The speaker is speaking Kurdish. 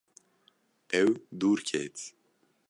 Ew dûr ket.